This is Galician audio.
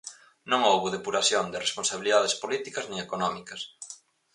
Non houbo depuración de responsabilidades políticas nin económicas.